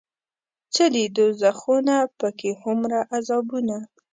څه دي دوزخونه پکې هومره عذابونه